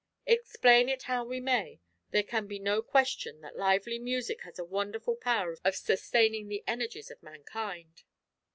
Explain it how we may, there can be no question that lively music has a wonderful power of sustaining the energies of mankind.